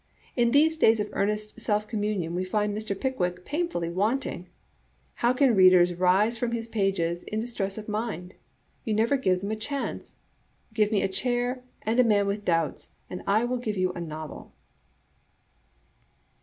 In these days of earnest self communion we find Mr. Pick wick painfully wanting. How can readers rise from his pages in distress of mind? You never give them a chance. Give me a chair and a man with doubts, and I will give you a novel